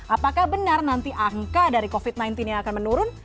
apakah benar nanti angka dari covid sembilan belas nya akan menurun